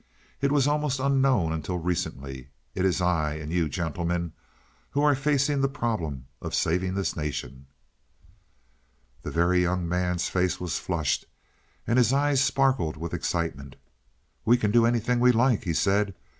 It was almost unknown until recently. It is I, and you, gentlemen, who are facing the problem of saving this nation." The Very Young Man's face was flushed, and his eyes sparkled with excitement. "We can do anything we like," he said.